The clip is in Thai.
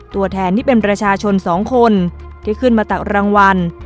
ตัวแทนที่เป็นประชาชน๒คนที่ขึ้นมาตักรางวัล